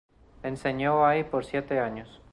Enseñó allí por siete años.